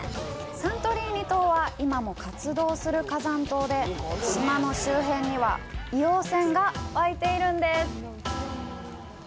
サントリーニ島は今も活動する火山島で、島の周辺には硫黄泉が湧いているんです。